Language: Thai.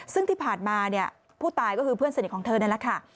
ซึ่งที่ผ่านมาผู้ตายก็คือเพื่อนสนิทของเธอนั้น